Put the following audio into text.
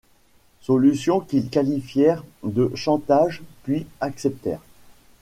Solution qu'ils qualifièrent de chantage puis acceptèrent.